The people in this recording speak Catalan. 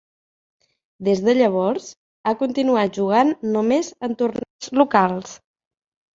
Des de llavors, ha continuat jugant només en torneigs locals.